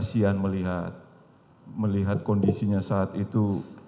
kasihan melihat melihat kondisinya saat itu